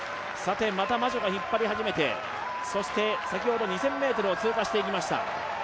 またマジョが引っ張り始めて、先ほど２０００ｍを通過していきました